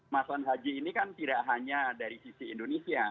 masukan haji ini kan tidak hanya dari sisi indonesia